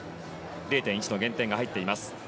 ０．１の減点が入っています。